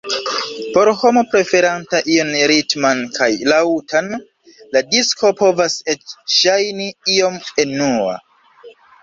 Por homo preferanta ion ritman kaj laŭtan, la disko povas eĉ ŝajni iom enua.